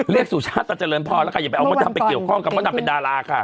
สุชาติตันเจริญพอแล้วค่ะอย่าไปเอามดดำไปเกี่ยวข้องกับมดดำเป็นดาราค่ะ